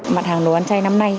mặt hàng đồ ăn chay năm nay